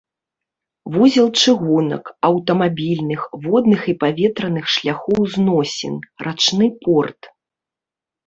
Вузел чыгунак, аўтамабільных, водных і паветраных шляхоў зносін, рачны порт.